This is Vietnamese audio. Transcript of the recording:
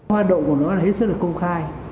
hoạt động của nó là hết sức là công khai